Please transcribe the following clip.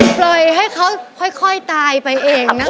ปล่อยให้เขาค่อยตายไปเองนะคะ